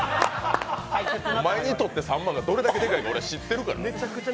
お前にとって３万円がどれだけデカいか俺は知ってるから。